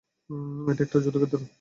এটা একটা যুদ্ধক্ষেত্র।